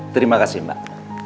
terima kasih mbak